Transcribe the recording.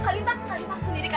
kak lita kak lita